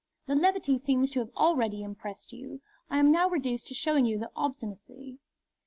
The levity seems to have already impressed you. I am now reduced to showing you the obstinacy."